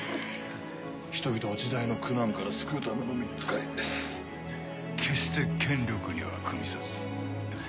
人々を時代の苦難から救うためのみに使い決して権力には与さず。